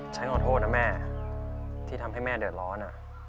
ขอโทษนะแม่ที่ทำให้แม่เดือดร้อน